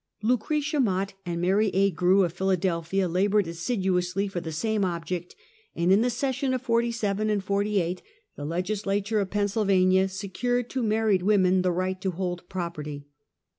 Lucretia Mott and Mary A. Grew, of Philadelphia, labored assiduously for the same object, and in the ses sion of '47 and '48, the legislature of Pennsylvania secured to married women the right to hold property.